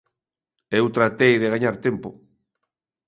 Eu tratei de gañar tempo.